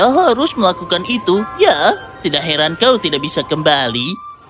kau harus melakukan itu ya tidak heran kau tidak bisa kembali